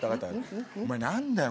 お前何だよ？